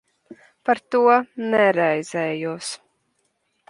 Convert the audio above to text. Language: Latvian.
Par to neraizējos.